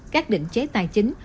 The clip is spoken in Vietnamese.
các định chế tài chính